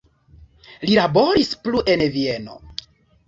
Li laboris plu en Vieno.